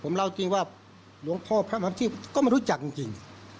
ก็ไม่รู้จักจริงว่าหลวงพ่อพระมหัศจริงก็ไม่รู้จักจริง